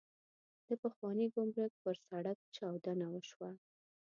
د پخواني ګمرک پر سړک چاودنه وشوه.